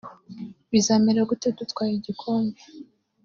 bizamera gute dutwaye igikombe